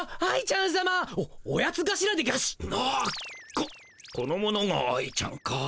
ここの者が愛ちゃんか。